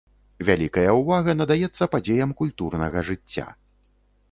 Вялікая ўвага надаецца падзеям культурнага жыцця.